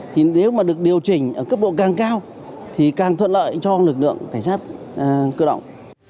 thì nếu mà được điều chỉnh ở cấp độ càng cao thì càng thuận lợi cho lực lượng cảnh sát cơ động